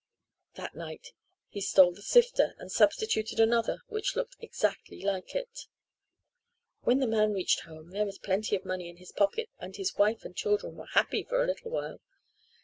That night he stole the sifter and substituted another which looked exactly like it. When the man reached home there was plenty of money in his pockets and his wife and children were happy for a little while.